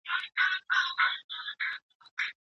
د لاس لیکنه د ژوند د تجربو زېرمه ده.